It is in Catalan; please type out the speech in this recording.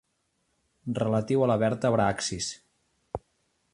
Relatiu a la vèrtebra axis.